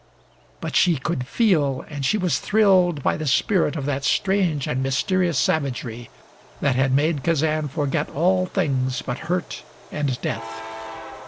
But she could feel and she was thrilled by the spirit of that strange and mysterious savagery that had made Kazan forget all things but hurt and death.